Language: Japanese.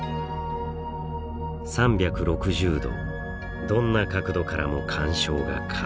３６０度どんな角度からも鑑賞が可能に。